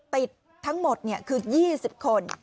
ติดทั้งหมดคือ๒๐คน